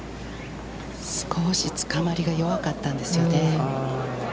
少し、つかまりが弱かったんですよね。